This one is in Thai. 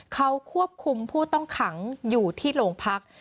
เขาควบคุมผู้ต้องขังอยู่ที่โรงพัก